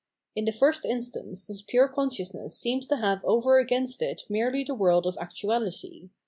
In the first instance this pure consciousness seems to have over against it merely the world of actuality.